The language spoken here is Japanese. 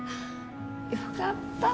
よかった！